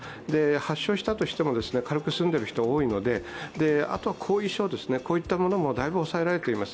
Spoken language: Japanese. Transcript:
発症したとしても軽く済んでいる人も多いのであとは後遺症もだいぶ抑えられています。